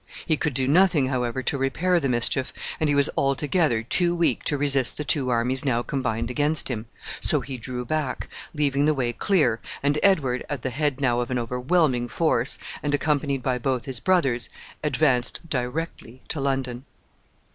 He could do nothing, however, to repair the mischief, and he was altogether too weak to resist the two armies now combined against him; so he drew back, leaving the way clear, and Edward, at the head now of an overwhelming force, and accompanied by both his brothers, advanced directly to London.